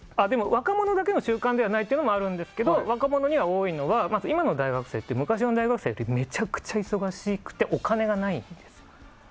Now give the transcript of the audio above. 若者だけの習慣ではないというのもあるんですけど若者に多いのはまず、今の大学生って昔の大学生よりもむちゃくちゃ忙しくて、お金がないんですよ。